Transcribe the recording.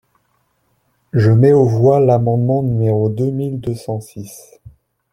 Je mets aux voix l’amendement numéro deux mille deux cent six.